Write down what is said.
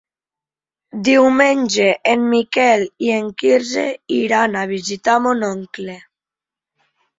Diumenge en Miquel i en Quirze iran a visitar mon oncle.